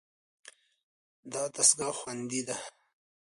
دا دستګاه خوندي ده.